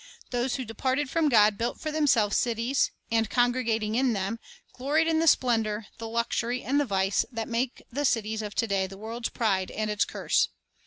Those who departed from God built for themselves cities, and, congregating in them, gloried in the splen dor, the luxury, and the vice that make the cities of to day the world's pride and its curse.